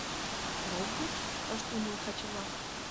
— Рок гыч?! — ышт умыло каче-влак.